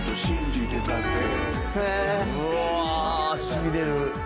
しびれる！